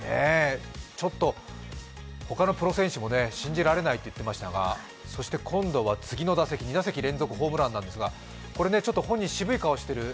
ちょっと、他のプロ選手も信じられないと言ってましたがそして今度は次の打席、２打席連続ホームランなんですがこれね、本人、渋い顔をしてる。